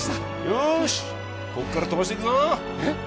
よしここから飛ばしていくぞえっ？